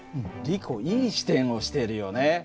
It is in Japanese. リコいい視点をしてるよね。